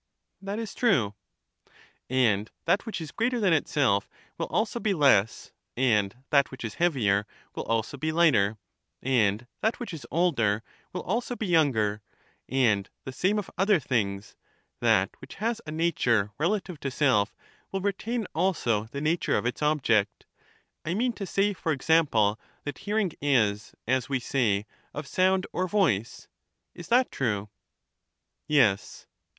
That is true. And that which is greater than itself will also be less, and that which is heavier will also be lighter, and that which is older will also be younger: and the same of other things; that which has a nature relative to self will retain also the nature of its object. I mean to say, for example, that hearing is, as we say, of soimd or voice. Is that true? Yes.